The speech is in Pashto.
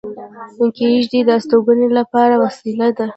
کېږدۍ د استوګنې لپاره وسیله ده